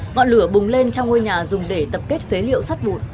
ngọn lửa bùng lên trong ngôi nhà dùng để tập kết phế liệu sắt vụt